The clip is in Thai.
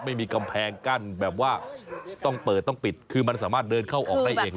ไม่มีกำแพงกั้นแบบว่าต้องเปิดต้องปิดคือมันสามารถเดินเข้าออกได้เอง